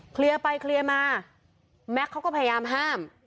เคลียร์ไปเคลียร์มาแม็กซ์เขาก็พยายามห้าม